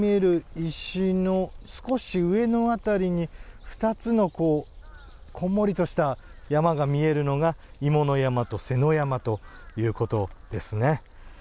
石の少し上の辺りに２つの、こんもりとした山が見えるのが妹山と背山ということですね。